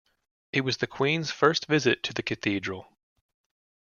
It was the Queen's first visit to the Cathedral.